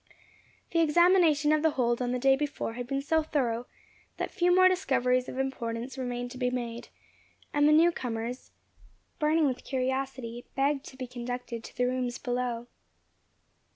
The examination of the hold on the day before had been so thorough, that few more discoveries of importance remained to be made; and the new comers, burning with curiosity, begged to be conducted to the rooms below.